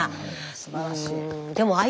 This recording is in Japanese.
すばらしい。